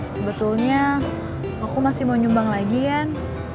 sebetulnya aku masih mau nyumbang lagi kan